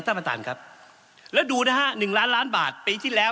ท่านประธานครับแล้วดูนะฮะหนึ่งล้านล้านบาทปีที่แล้ว